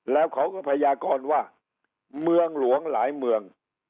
แล้วเขาก็พยากรว่าเมืองหลวงหลายเมือง